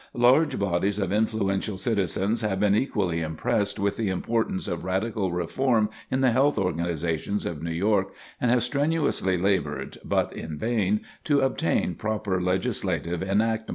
Large bodies of influential citizens have been equally impressed with the importance of radical reform in the health organizations of New York, and have strenuously labored, but in vain, to obtain proper legislative enactments.